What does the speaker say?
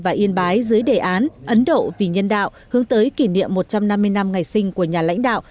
và yên bái dưới đề án ấn độ vì nhân đạo hướng tới kỷ niệm một trăm năm mươi năm ngày sinh của nhà lãnh đạo